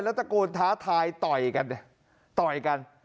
แล้วตะโกนท้าทายต่อยกัน